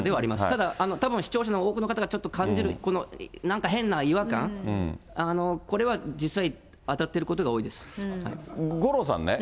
ただ、たぶん視聴者の多くの方がちょっと感じる、このなんか変な違和感、これは実際、当たってる五郎さんね。